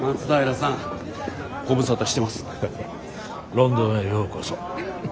ロンドンへようこそ。